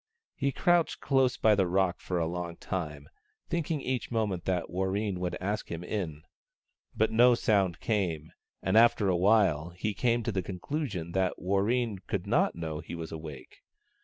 He crouched close by the rock for a long time, thinking each moment that Warreen would ask him in. But no sound came, and after a while he came to the conclusion that Warreen could not know he was awake.